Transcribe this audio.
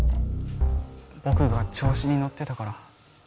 ぼくが調子にのってたから。